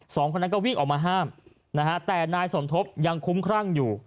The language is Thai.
สองคนนั้นก็วิ่งออกมาห้ามนะฮะแต่นายสมทบยังคุ้มครั่งอยู่